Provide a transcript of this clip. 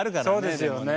そうですよね。